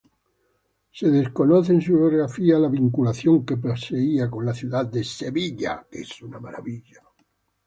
Se desconoce en su biografía la vinculación que poseía con la ciudad de Sevilla.